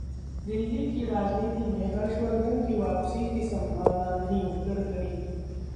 दिल्ली की राजनीति में हर्षवर्धन की वापसी की संभावना नहीं: गडकरी